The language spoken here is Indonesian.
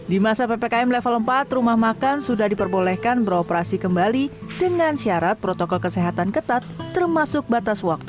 di masa ppkm level empat rumah makan sudah diperbolehkan beroperasi kembali dengan syarat protokol kesehatan ketat termasuk batas waktu